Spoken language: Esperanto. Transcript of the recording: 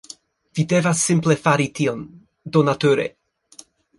Vi devas simple fari tion... do nature...